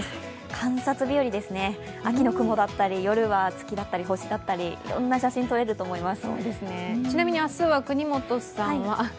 観察日和ですね、秋の雲だったり、夜だったら星だったり、いろんな写真撮れると思います。